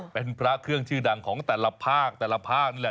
เป็นพระเครื่องชื่อดังของแต่ละภาคนี่แหละ